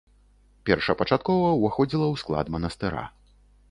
Першапачаткова ўваходзіла ў склад манастыра.